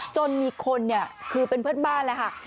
จนมีคนเนี่ยคือเป็นเพื่อนบ้านแล้วค่ะ